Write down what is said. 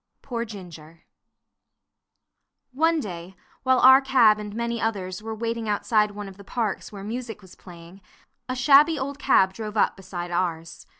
40 Poor Ginger One day, while our cab and many others were waiting outside one of the parks where music was playing, a shabby old cab drove up beside ours.